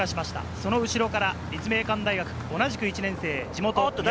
その後ろから立命館大学、同じく１年生。